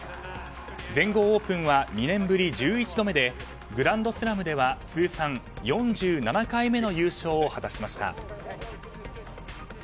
全豪オープンは２年ぶり１１度目でグランドスラムでは通算４７回目の優勝を果たしました。